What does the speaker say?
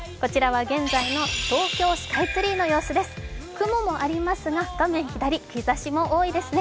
雲もありますが画面左、日ざしも多いですね。